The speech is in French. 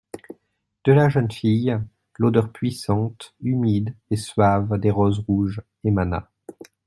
De la jeune fille, l'odeur puissante, humide et suave des roses rouges émana.